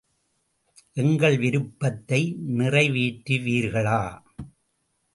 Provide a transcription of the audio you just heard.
எங்கள் விருப்பத்தை நிறைவேற்றுவீர்களா?